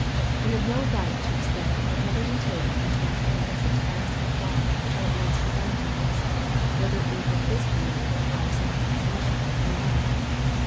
We have no right to expect that whatever we take it into our heads to ask of God shall at once be done for us, whethe>" it be for His glory and our sanctification or not.